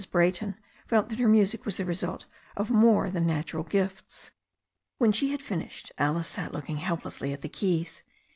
Brayton felt that her music was the result of more than natural gifts. When she had finished Alice sat looking helplessly at the keys.